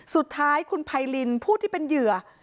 สุดท้ายคุณไพรินผู้ที่เป็นเหยื่อ